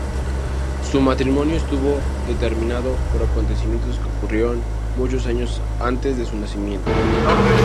Su matrimonio estuvo determinado por acontecimientos que ocurrieron muchos años antes de su nacimiento.